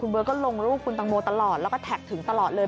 เบิร์ตก็ลงรูปคุณตังโมตลอดแล้วก็แท็กถึงตลอดเลย